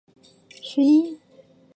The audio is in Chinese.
第十一届全国政协委员。